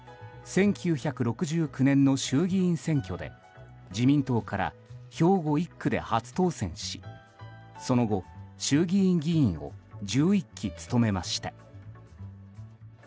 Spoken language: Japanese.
１９６９年の衆議院選挙で自民党から兵庫１区で初当選しその後、衆議院議員を１１期、務めました。